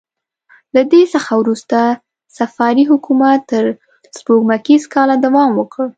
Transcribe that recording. له دې څخه وروسته صفاري حکومت تر سپوږمیز کاله دوام وکړ.